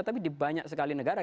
tapi di banyak sekali negara